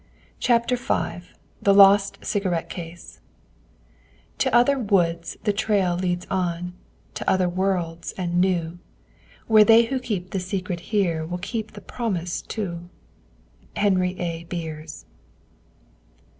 CHAPTER V A LOST CIGARETTE CASE To other woods the trail leads on, To other worlds and new, Where they who keep the secret here Will keep the promise too. Henry A. Beers.